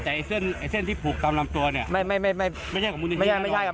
แต่เส้นที่ผูกตามลำตัวไม่ใช่ของมูลนิธิแน่นอน